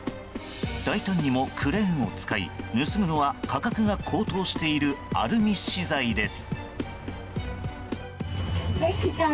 大胆にもクレーンを使い盗むのは価格が高騰しているアルミ資材です。